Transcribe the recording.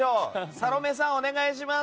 サロメさん、お願いします。